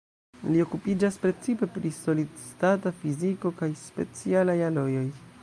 Li okupiĝas precipe pri solid-stata fiziko kaj specialaj alojoj.